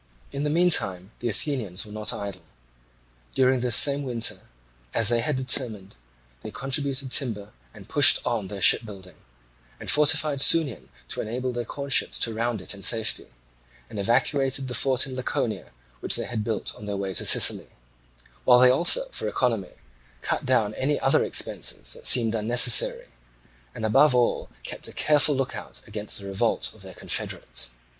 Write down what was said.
In the meantime the Athenians were not idle. During this same winter, as they had determined, they contributed timber and pushed on their ship building, and fortified Sunium to enable their corn ships to round it in safety, and evacuated the fort in Laconia which they had built on their way to Sicily; while they also, for economy, cut down any other expenses that seemed unnecessary, and above all kept a careful look out against the revolt of their confederates.